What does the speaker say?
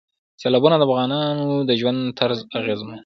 سیلابونه د افغانانو د ژوند طرز اغېزمنوي.